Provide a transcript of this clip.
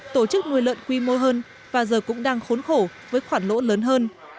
tổ chức nuôi lợn quy mô hơn và giờ cũng đang khốn khổ với khoản lỗ lớn hơn